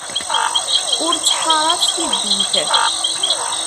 Ur ttḥaṛaf tiddit.